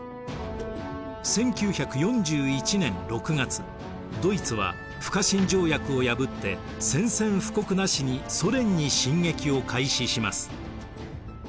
１９４１年６月ドイツは不可侵条約を破って宣戦布告なしにソ連に進撃を開始します。